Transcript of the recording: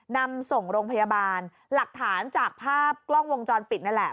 นำส่งโรงพยาบาลหลักฐานจากภาพกล้องวงจรปิดนั่นแหละ